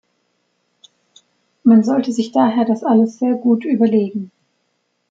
Man sollte sich daher das alles sehr gut überlegen.